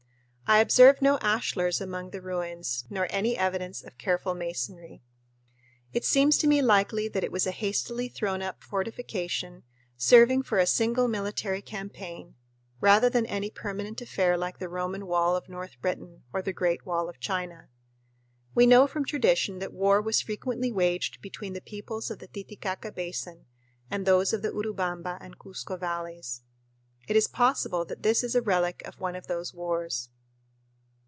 I observed no ashlars among the ruins nor any evidence of careful masonry. It seems to me likely that it was a hastily thrown up fortification serving for a single military campaign, rather than any permanent affair like the Roman wall of North Britain or the Great Wall of China. We know from tradition that war was frequently waged between the peoples of the Titicaca Basin and those of the Urubamba and Cuzco valleys. It is possible that this is a relic of one of those wars.